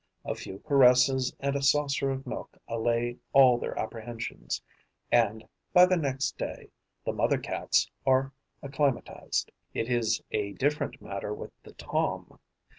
A few caresses and a saucer of milk allay all their apprehensions; and, by the next day, the mother Cats are acclimatised. It is a different matter with the Tom.